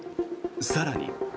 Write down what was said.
更に。